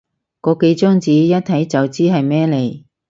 個幾張紙，一睇就知係咩嚟